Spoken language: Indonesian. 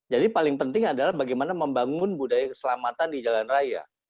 jadi paling penting adalah bagaimana membangun budaya keselamatan di jalan raya